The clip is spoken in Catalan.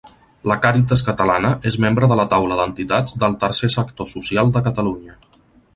La Càritas catalana és membre de la Taula d'entitats del Tercer Sector Social de Catalunya.